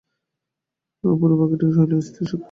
উপরের পাখীটি হইল স্থির, শান্ত, গম্ভীর।